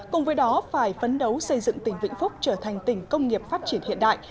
cùng với đó phải phấn đấu xây dựng tỉnh vĩnh phúc trở thành tỉnh công nghiệp phát triển hiện đại